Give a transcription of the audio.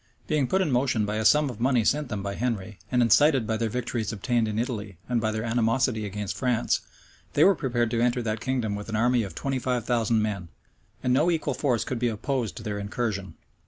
Being put in motion by a sum of money sent them by Henry, and incited by their victories obtained in Italy and by their animosity against France, they were preparing to enter that kingdom with an army of twenty five thousand men; and no equal force could be opposed to their incursion.